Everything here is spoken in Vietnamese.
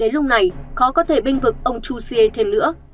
đến lúc này khó có thể binh vực ông chu siê thêm nữa